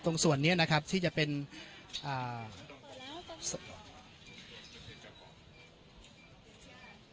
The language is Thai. ตรงส่วนนี้นะครับที่จะเป็นอ่า